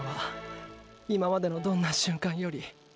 今までのどんな瞬間より。